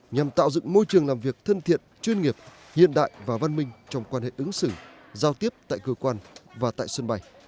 nhằm tạo dựng môi trường làm việc thân thiện chuyên nghiệp hiện đại và văn minh trong quan hệ ứng xử giao tiếp tại cơ quan và tại sân bay